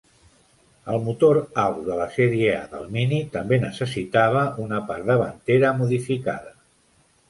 El motor alt de la sèrie A del Mini també necessitava una part davantera modificada.